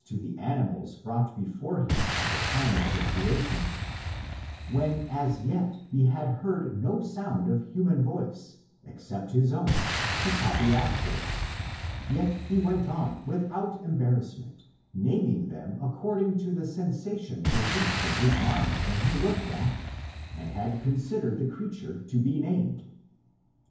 39 to all the animals brought before him at the time of the creation ; when, as yet, he had heard no sound of human voice, except his own, to copy after, yet he went on, without embarrassment, naming them ac cording to the sensation produced in his mind when he looked at, and had considered the creature to be named.